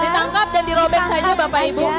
ditangkap dan dirobek saja bapak ibu